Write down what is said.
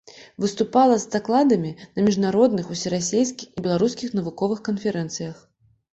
Выступала з дакладамі на міжнародных, усерасійскіх і беларускіх навуковых канферэнцыях.